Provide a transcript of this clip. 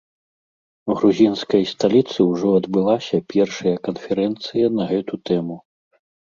У грузінскай сталіцы ўжо адбылася першая канферэнцыя на гэту тэму.